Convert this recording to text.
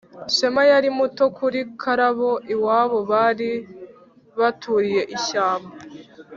. Shema yari muto kuri Karabo. Iwabo bari baturiye ishyamba